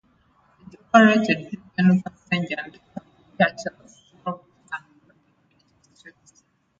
It operated regional passenger and cargo charters throughout Canada and the United States.